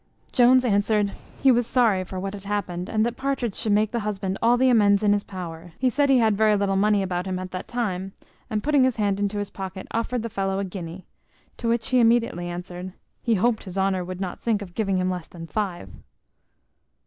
Jones answered, "He was sorry for what had happened, and that Partridge should make the husband all the amends in his power: he said, he had very little money about him at that time;" and, putting his hand into his pocket, offered the fellow a guinea. To which he immediately answered, "He hoped his honour would not think of giving him less than five."